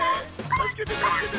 たすけてたすけて。